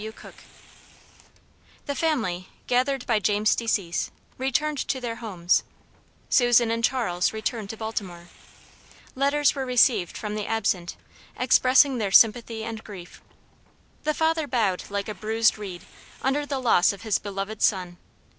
G. W. COOK. THE family, gathered by James' decease, returned to their homes. Susan and Charles returned to Baltimore. Letters were received from the absent, expressing their sympathy and grief. The father bowed like a "bruised reed," under the loss of his beloved son.